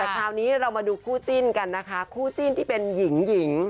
แต่คราวนี้เรามาดูคู่จิ้นกันนะคะคู่จิ้นที่เป็นหญิงหญิง